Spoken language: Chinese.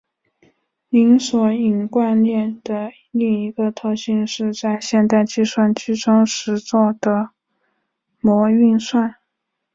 零索引惯例的另一个特性是在现代计算机中实作的模运算。